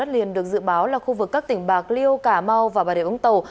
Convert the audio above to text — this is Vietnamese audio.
đất liền được dự báo là khu vực các tỉnh bạc liêu cà mau và bà rịa úng tàu